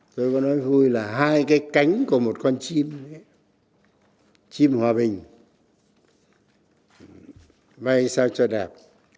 tôi có nói vui là hai cái cánh của một con chim chim hòa bình bay sao cho đẹp